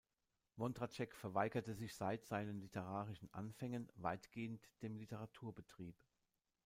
Wondratschek verweigerte sich seit seinen literarischen Anfängen weitgehend dem Literaturbetrieb.